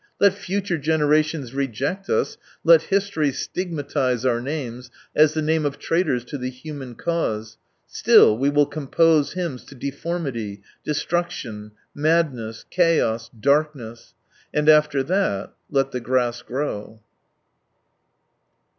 Let future generations re ject us, let history stigmatise our names, as the names of traitors to the human cause — still we will compose hymns to deformity, destruction, madness, chaos, darkness. And after that — let the grass grow.